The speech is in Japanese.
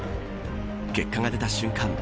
結果が出た瞬間